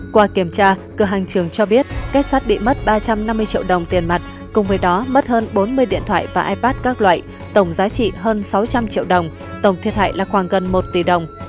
qua kiểm tra cửa hàng trường cho biết kết sát bị mất ba trăm năm mươi triệu đồng tiền mặt cùng với đó mất hơn bốn mươi điện thoại và ipad các loại tổng giá trị hơn sáu trăm linh triệu đồng tổng thiệt hại là khoảng gần một tỷ đồng